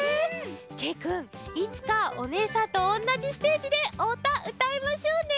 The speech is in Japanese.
けいくんいつかおねえさんとおんなじステージでおうたうたいましょうね！